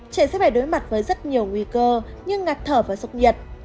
trẻ sẽ phải đối mặt với rất nhiều nguy cơ như ngạt thở và sốc nhiệt